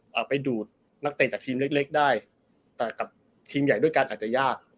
เลยสามารถนักเต้นดูดกับทีมเล็กได้แต่ทีมใหญ่ด้วยกันอาจจะยาก